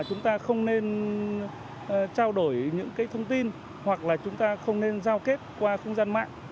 chúng ta không nên trao đổi những thông tin hoặc là chúng ta không nên giao kết qua không gian mạng